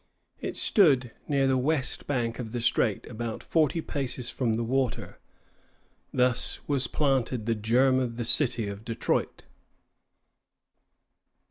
It stood near the west bank of the strait, about forty paces from the water. Thus was planted the germ of the city of Detroit.